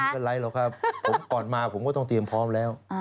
เป็นไรหรอกครับผมก่อนมาผมก็ต้องเตรียมพร้อมแล้ว